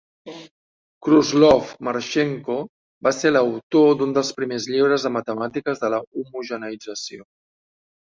Khruslov, Marchenko va ser l'autor d'un dels primers llibres de matemàtiques sobre la homogeneïtzació.